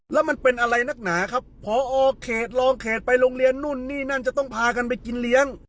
แล้วมันเป็นอะไรนักหนาครับพอเขตรองเขตไปโรงเรียนนู่นนี่นั่นจะต้องพากันไปกินเลี้ยง